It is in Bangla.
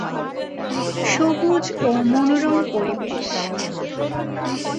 সবুজ ও মনোরম পরিবেশ।